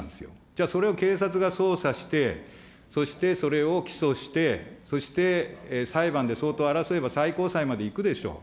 じゃあ、それを警察が捜査して、そしてそれを起訴して、そして裁判で相当争えば、最高裁までいくでしょう。